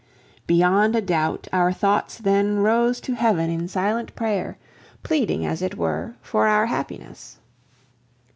Beyond a doubt our thoughts then rose to Heaven in silent prayer, pleading as it were, for our happiness.